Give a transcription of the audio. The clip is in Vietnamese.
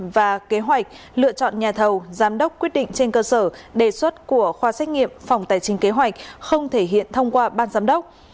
và kế hoạch lựa chọn nhà thầu giám đốc quyết định trên cơ sở đề xuất của khoa xét nghiệm phòng tài chính kế hoạch không thể hiện thông qua ban giám đốc